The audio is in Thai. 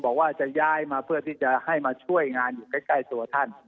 บอกว่าจะย้ายมาเพื่อที่จะให้มาช่วยงานอยู่ใกล้ตัวท่าน